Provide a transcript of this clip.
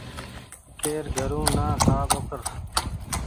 ڪير گھرون نا کآ ٻوکر